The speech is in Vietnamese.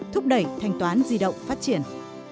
thúc đẩy thanh toán di động phát triển